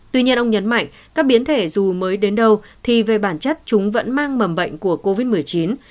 tuy nhiên ông nhấn mạnh các biến thể dù mới đến đâu thì về bản chất chúng vẫn mang mầm bệnh của covid một mươi chín